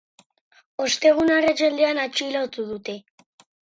Ostegun arratsaldean atxilotu dute.